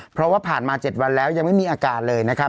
เพราะว่าผ่านมา๗วันแล้วยังไม่มีอาการเลยนะครับ